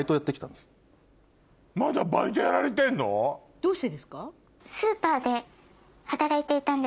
どうしてですか？